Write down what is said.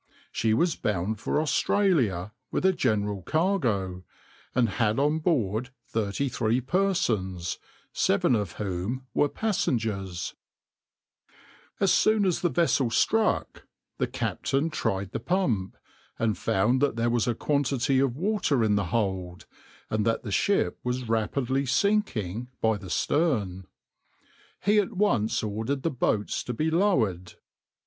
She was bound for Australia with a general cargo, and had on board thirty three persons, seven of whom were passengers.\par \vs {\noindent} As soon as the vessel struck, the captain tried the pump, and found that there was a quantity of water in the hold, and that the ship was rapidly sinking by the stern. He at once ordered the boats to be lowered.